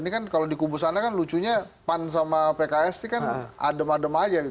ini kan kalau di kubu sana kan lucunya pan sama pks ini kan adem adem aja